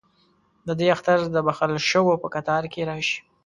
ددې اختر دبخښل شووپه کتار کې راشي